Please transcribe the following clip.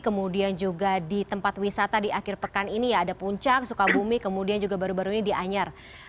kemudian juga di tempat wisata di akhir pekan ini ya ada puncak sukabumi kemudian juga baru baru ini di anyar